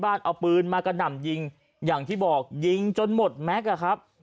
เอาปืนมากระหน่ำยิงอย่างที่บอกยิงจนหมดแม็กซอะครับ